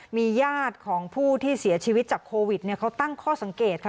มีญาติของผู้ที่เสียชีวิตจากโควิดเขาตั้งข้อสังเกตค่ะ